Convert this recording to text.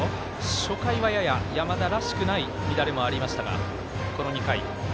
初回はやや山田らしくない乱れもありましたが、この２回。